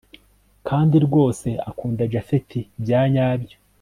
kandi rwose akunda japhet byanyabyo